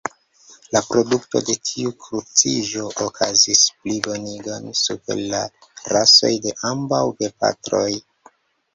La produkto de tiu kruciĝo okazigis plibonigon super la rasoj de ambaŭ gepatroj.